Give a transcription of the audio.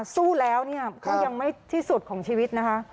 สู้แล้วเนี่ยก็ยังไม่ที่สุดของชีวิตนะคะ